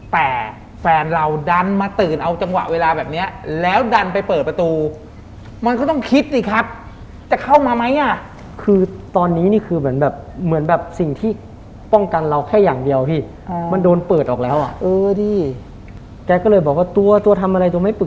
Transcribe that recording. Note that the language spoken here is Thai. แกไปฉี่เสร็จปุ๊บแกไปฉี่เสร็จปุ๊บแกไปฉี่เสร็จปุ๊บแกไปฉี่เสร็จปุ๊บแกไปฉี่เสร็จปุ๊บแกไปฉี่เสร็จปุ๊บแกไปฉี่เสร็จปุ๊บแกไปฉี่เสร็จปุ๊บแกไปฉี่เสร็จปุ๊บแกไปฉี่เสร็จปุ๊บ